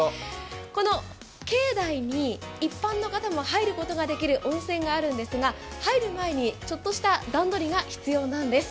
この境内に一般の方も入ることができる温泉があるんですが、入る前にちょっとした段取りが必要なんです。